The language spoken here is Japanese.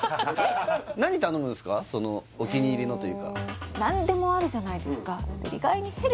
そのお気に入りのというか何でもあるじゃないですか